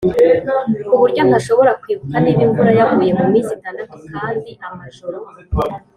kuburyo ntashobora kwibuka niba imvura yaguye muminsi itandatu kandi amajoro